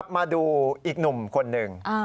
มาดูอีกหนุ่มคนหนึ่ง